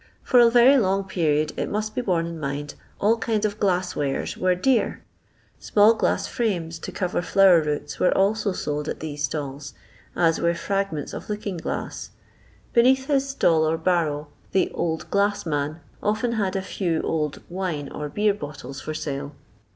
For a very long period, it must be borne in mind, all kinds of gloss wares were dear. Small glass frames, to cover flower roots, were also sold at these stalls, as were fragments of looking glass. Beneath his stall or barrow, the " old glass man " often had a few old wine or beer bottles for sale.